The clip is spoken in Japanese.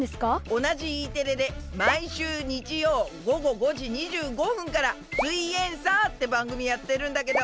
おなじＥテレで毎週日曜午後５時２５分から「すイエんサー」ってばんぐみやってるんだけど。